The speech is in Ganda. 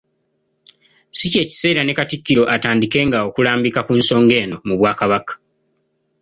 Si ky'ekiseera ne Katikkiro atandikenga okulambika ku nsonga eno mu Bwakabaka